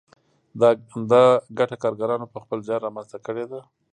دا ګټه کارګرانو په خپل زیار رامنځته کړې ده